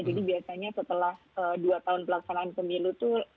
jadi biasanya setelah dua tahun pelaksanaan pemilu itu